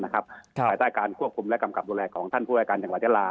ภายใต้การควบคุมและกำกับดูแลของท่านผู้รายการจังหวัดยาลา